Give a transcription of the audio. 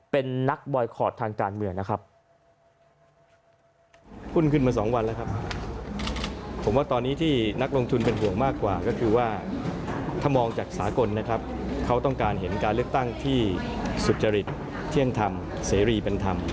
เป็นนักบอยคอร์ดทางการเมืองนะครับ